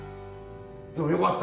でもよかった。